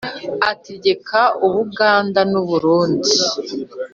Ategeka u Buganda n'uburundi